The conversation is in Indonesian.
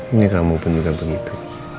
ini kamu pun bukan begitu